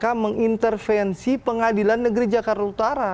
dalam rangka mengintervensi pengadilan negeri jakarta utara